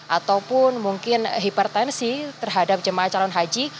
ataupun mungkin hipertensi terhadap jemaah calon haji